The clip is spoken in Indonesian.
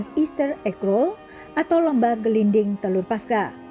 di easter egg roll atau lomba gelinding telur paskah